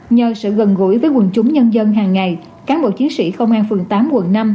nhờ sự gần gũi với quần chúng nhân dân hàng ngày cán bộ chiến sĩ công an phường tám quận năm